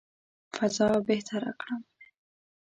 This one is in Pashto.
فضا بهتره کړم.